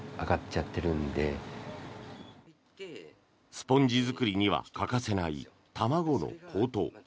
スポンジ作りには欠かせない卵の高騰。